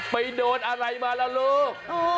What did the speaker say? ไปโดนอะไรมาล่ะลูก